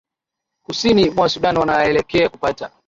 kusini mwa sudan wanaelekea kupata